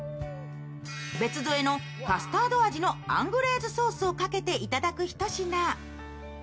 別添えのカスタード味のアングレーズソースをかけていただく一品。